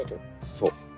そう。